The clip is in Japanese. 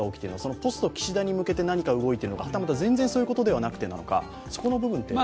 ポスト岸田に向けて何か起きているのかはたまた全然そういうことではなくてなのか、そこの部分は？